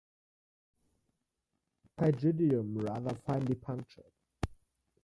Pygidium rather finely punctured.